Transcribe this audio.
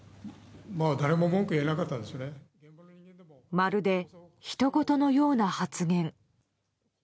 まるで、ひとごとのような発言。